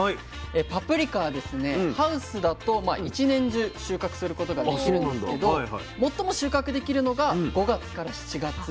パプリカはですねハウスだと一年中収穫することができるんですけど最も収穫できるのが５月から７月。